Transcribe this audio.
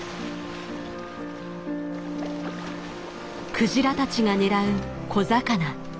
クジラたちが狙う小魚。